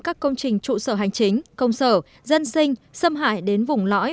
các công trình trụ sở hành chính công sở dân sinh xâm hại đến vùng lõi